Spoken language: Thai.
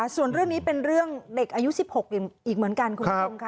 ส่วนเรื่องนี้เป็นเรื่องเด็กอายุ๑๖อีกเหมือนกันคุณผู้ชมค่ะ